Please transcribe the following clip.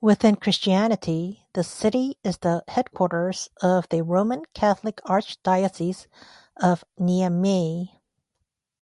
Within Christianity, the city is the headquarters of the Roman Catholic Archdiocese of Niamey.